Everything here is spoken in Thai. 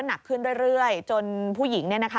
หนักขึ้นเรื่อยจนผู้หญิงเนี่ยนะคะ